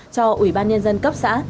cho ủy ban nhân dân cấp xã